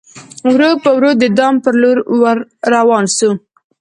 ورو په ورو د دام پر لوري ور روان سو